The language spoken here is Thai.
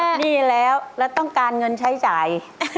หนี้แล้วแล้วต้องการเงินใช้จ่าย